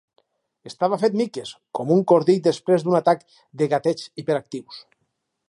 Estava fet miques, com un cordill després d'un atac de gatets hiperactius.